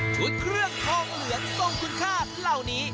ชุดเครื่องทองเหลืองทรงคุณค่าเหล่านี้